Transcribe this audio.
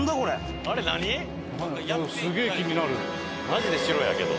マジで城やけど。